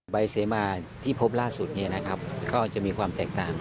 เสมาที่พบล่าสุดก็จะมีความแตกต่าง